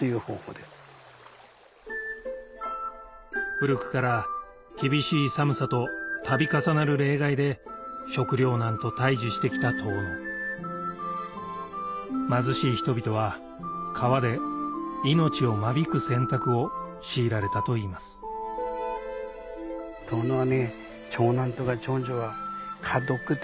古くから厳しい寒さと度重なる冷害で食糧難と対峙してきた遠野貧しい人々は川で命を間引く選択を強いられたといいますだから。